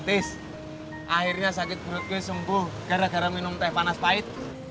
ketis akhirnya sakit perut gue sembuh gara gara minum teh panas pahit